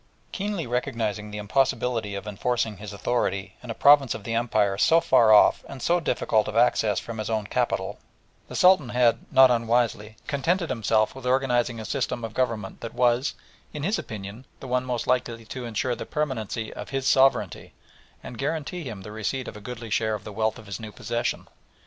Keenly recognising the impossibility of enforcing his authority in a province of the Empire so far off and so difficult of access from his own capital, the Sultan had, not unwisely, contented himself with organising a system of government that was, in his opinion, the one most likely to ensure the permanency of his sovereignty and guarantee him the receipt of a goodly share of the wealth of his new possession.